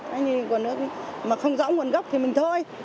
cái gì nguồn nước mà không rõ nguồn gốc thì mình thôi